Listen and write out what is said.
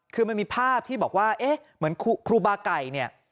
คือมันมีภาพที่บอกว่าเอ๊ะเหมือนครูบาไก่เนี่ย